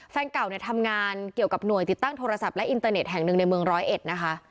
แฟนเก่าเนี่ยทำงานเกี่ยวกับหน่วยติดตั้งโทรศัพท์และอินเตอร์เน็ตแห่งหนึ่งในเมืองร้อยเอ็ดนะคะ